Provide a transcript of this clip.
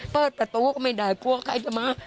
เปิดประตูก็ไม่ได้กลัวใครจะมา